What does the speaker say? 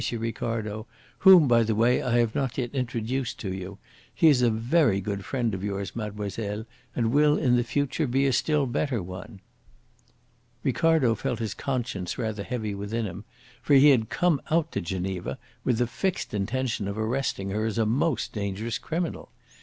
Ricardo, whom, by the way, I have not yet introduced to you. He is a very good friend of yours, mademoiselle, and will in the future be a still better one." Ricardo felt his conscience rather heavy within him, for he had come out to Geneva with the fixed intention of arresting her as a most dangerous criminal.